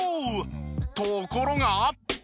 ところが。